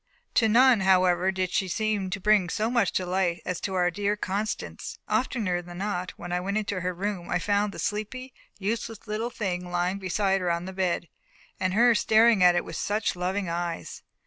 To none, however, did she seem to bring so much delight as to our dear Constance. Oftener than not, when I went into her room, I found the sleepy, useless little thing lying beside her on the bed, and her staring at it with such loving eyes!